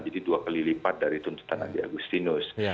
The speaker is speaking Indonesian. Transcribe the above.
karena itu adalah keuntungan